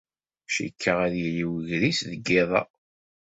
Cikkeɣ ad yili wegris deg yiḍ-a.